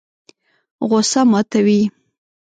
غوسه ماتوي.